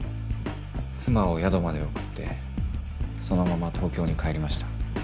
妻を宿まで送ってそのまま東京に帰りました。